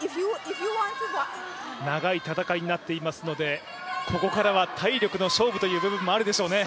長い戦いになってきていますのでここからは体力の勝負ということもあるでしょうね。